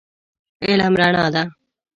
علم رڼا ده.